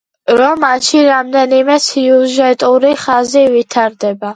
რომანში რამდენიმე სიუჟეტური ხაზი ვითარდება.